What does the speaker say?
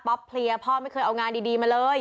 เพลียพ่อไม่เคยเอางานดีมาเลย